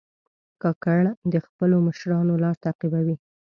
کاکړ د خپلو مشرانو لار تعقیبوي.